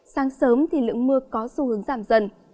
sáng sớm thì lượng mưa có xu hướng giảm dần